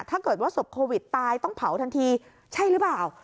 ถ้าเกิดศพโควิดตายต้องเผาทันทีใช่หรือเปล่า